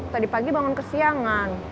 tadi pagi bangun ke siangan